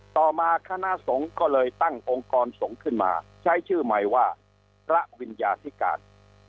ต่อมาคณะสงฆ์ก็เลยตั้งองค์กรสงฆ์ขึ้นมาใช้ชื่อใหม่ว่าพระวิญญาธิการ